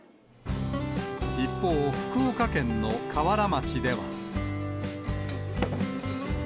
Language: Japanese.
一方、福岡県の香春町では。